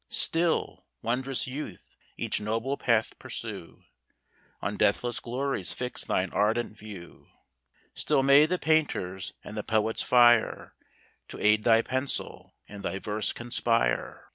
Still, wond'rous youth! each noble path pursue, On deathless glories fix thine ardent view: Still may the painter's and the poet's fire To aid thy pencil, and thy verse conspire!